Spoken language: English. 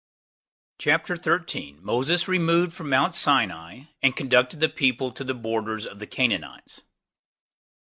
CHAPTER 13. Moses Removed From Mount Sinai, And Conducted The People To The Borders Of The Canaanites.